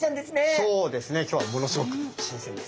そうですね今日はものすごく新鮮です。